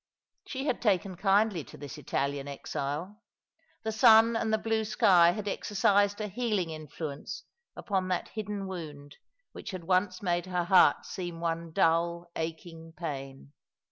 She had taken kindly to this Italian exile. The sun and the blue sky had exercised a healing influence upon that hidden wound which had once made ^^ Thou Paradise of Exiles, Italy!' 231 her heart seem one dull, aching pain.